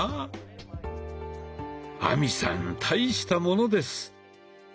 亜美さん大したものです！